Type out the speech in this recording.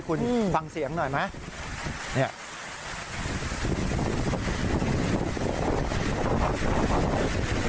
คุณฟังเสียงหน่อยไหม